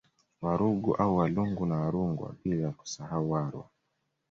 Warungu au Walungu na Warungwa bila kusahau Warwa